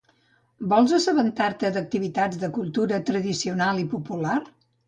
Vols assabentar-te d'activitats de cultura tradicional i popular?